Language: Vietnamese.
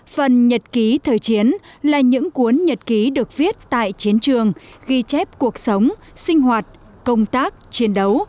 phần nhật ký thời chiến là những cuốn nhật ký được viết tại chiến trường ghi chép cuộc sống sinh hoạt công tác chiến đấu